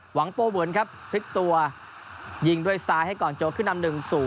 โป้เหมือนครับพลิกตัวยิงด้วยซ้ายให้ก่อนโจขึ้นนำ๑๐